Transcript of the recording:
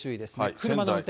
車の運転。